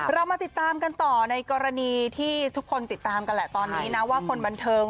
เรามาติดตามกันต่อในกรณีที่ทุกคนติดตามกันแหละตอนนี้นะว่าคนบันเทิง